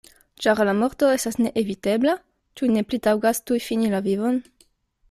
Ĉar la morto estas neevitebla, ĉu ne pli taŭgas tuj fini la vivon?